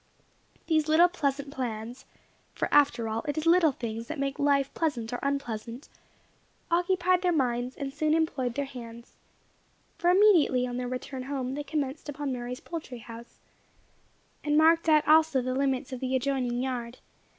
These little pleasant plans (for after all it is little things that make life pleasant or unpleasant), occupied their minds, and soon employed their hands; for immediately on their return home they commenced upon Mary's poultry house, and marked out also the limits of the adjoining yard.